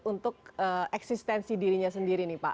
untuk eksistensi dirinya sendiri